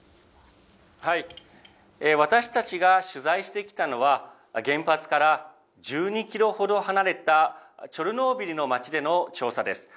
私たちが取材してきたのは、原発から１２キロほど離れたチョルノービリの町での調査です。